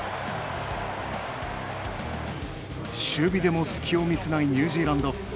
守備でも隙を見せないニュージーランド。